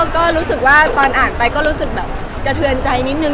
ก็รู้สึกว่าตอนอ่านไปก็รู้สึกแบบสะเทือนใจนิดนึง